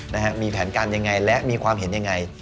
นะฮะมีแผนการยังไงและมีความเห็นยังไง